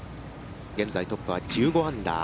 現在トップは１５アンダー。